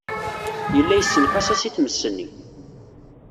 Yella yessenqas-as i tmes-nni.